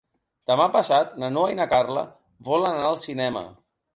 Demà passat na Noa i na Carla volen anar al cinema.